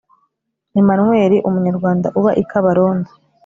Emmanuel umunyarwanda uba i Kabarondo